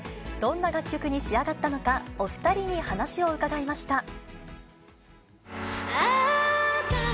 どんな楽曲に仕上がったのか、お２人に話を伺いました。